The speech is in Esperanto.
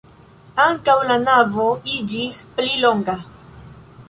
Ankaŭ la navo iĝis pli longa.